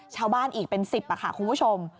ชาวบ้านอีกเป็น๑๐ค่ะคุณผู้ชม